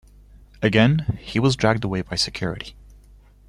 Again, he was dragged away by security.